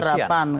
tentu ada harapan